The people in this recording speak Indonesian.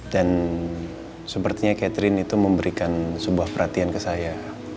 dan sepertinya catherine itu memberikan sebuah perhatian ke saya